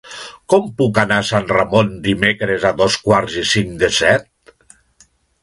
Com puc anar a Sant Ramon dimecres a dos quarts i cinc de set?